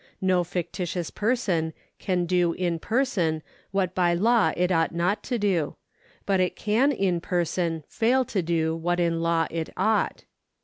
No fictitious person can do in person what by law it ought not to do, but it can in person fail to do what in law it ought.